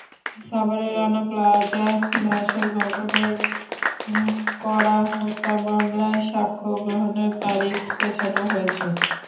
সাভারের রানা প্লাজা ধসের ঘটনায় করা হত্যা মামলায় সাক্ষ্য গ্রহণের তারিখ পেছানো হয়েছে।